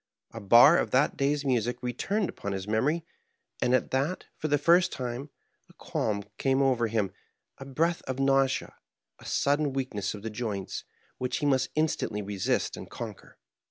A bar of that day's music returned upon his memory ; and at that, for the first time, a qualm came over him, a breath of nausea, a sudden weakness of the joints, which he must instantly resist and conquer.